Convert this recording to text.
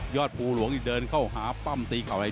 ยอดภูรวงศ์ที่เดินเข้าหาปั้มตีเขาไหน